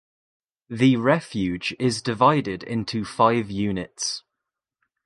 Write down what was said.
The refuge is divided into five units.